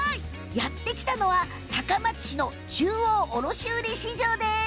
やって来たのは高松市の中央卸売市場です。